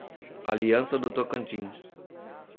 Aliança do Tocantins